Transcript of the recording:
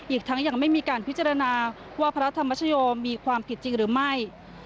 อีกทั้งยังไม่มีการพิจารณาว่าพระธรรมชโยมีความผิดจริงหรือไม่